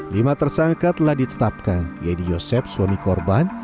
lima tersangka telah ditetapkan yaitu yosep suami korban